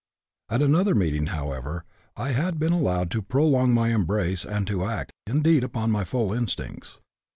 At another meeting, however, I had been allowed to prolong my embrace and to act, indeed, upon my full instincts.